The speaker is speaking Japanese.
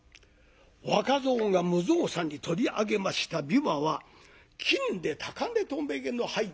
若蔵が無造作に取り上げました琵琶は金で高嶺とめぎの入っております